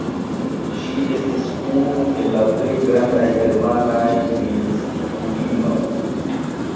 Ŝi estis unu el plej grandaj germanaj mistikulinoj.